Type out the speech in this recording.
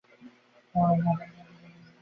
আমার প্রায় এক সপ্তাহ ধরে রোদে গেলেই মাথা ধরে যায়।